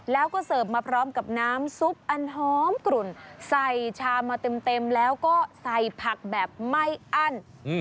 แล้วก็เสิร์ฟมาพร้อมกับน้ำซุปอันหอมกลุ่นใส่ชามมาเต็มแล้วก็ใส่ผักแบบไม่อั้น